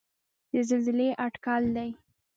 د زلزلې اټکل دی.